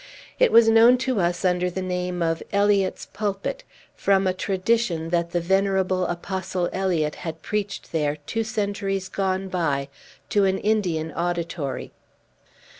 It was known to us under the name of Eliot's pulpit, from a tradition that the venerable Apostle Eliot had preached there, two centuries gone by, to an Indian auditory.